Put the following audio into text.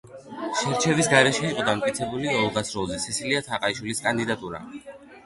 შერჩევის გარეშე იყო დამტკიცებული ოლღას როლზე სესილია თაყაიშვილის კანდიდატურა.